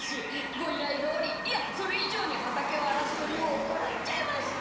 ごいらいどおりいやそれいじょうに畑をあらす鳥を追っぱらっちゃいました！